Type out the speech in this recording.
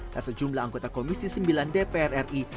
dan sejumlah anggota komisi sembilan dpr ri